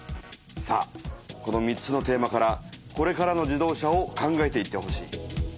さあこの３つのテーマからこれからの自動車を考えていってほしい。